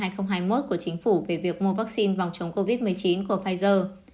của chính phủ về việc mua vaccine phòng chống covid một mươi chín của pfizer